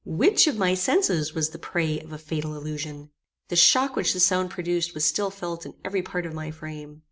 Which of my senses was the prey of a fatal illusion? The shock which the sound produced was still felt in every part of my frame.